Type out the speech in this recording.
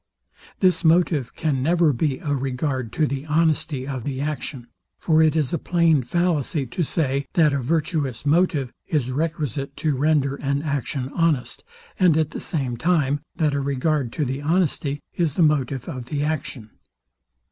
This motive can never be a regard to the honesty of the action. For it is a plain fallacy to say, that a virtuous motive is requisite to render an action honest, and at the same time that a regard to the honesty is the motive of the action.